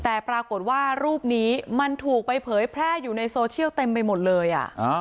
แต่ปรากฏว่ารูปนี้มันถูกไปเผยแพร่อยู่ในโซเชียลเต็มไปหมดเลย